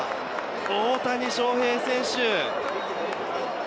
大谷翔平選手。